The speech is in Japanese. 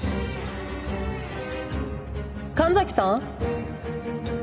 ・神崎さん？